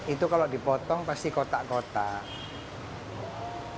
itu kalau dipotong pasti kotak kotak